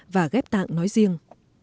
và ghép tạng nói riêng